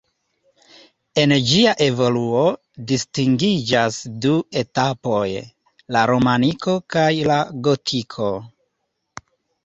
En ĝia evoluo distingiĝas du etapoj: la romaniko kaj la gotiko.